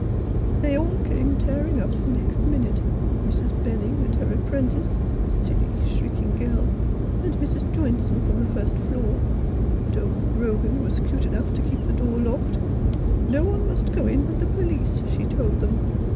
"They all came tearing up the next minute — Mrs. Benning and her apprentice — a silly, shrieking girl — and Mrs. Joynson from the first floor — but old Grogan was 'cute enough to keep the door locked. 'No one must go in but the police,' she told them.